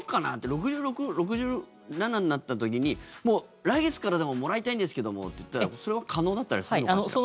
６６、６７になった時にもう来月からでももらいたいんですけどもって言ったらそれは可能だったりするのかしら。